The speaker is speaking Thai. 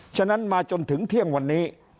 ฉะนั้นมาจนถึงเที่ยงวันนี้